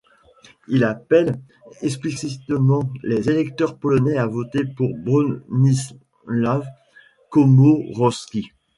Il appelle explicitement les électeurs polonais à voter pour Bronisław Komorowski.